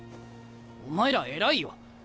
お前ら偉いよ。